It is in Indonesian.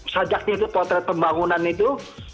sajaknya itu potret pembangunan itu